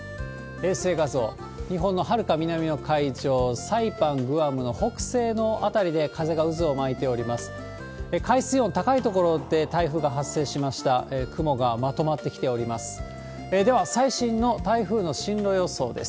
衛星画像、日本のはるか南の海上、サイパン、グアムの北西の辺りで風が渦を巻いております。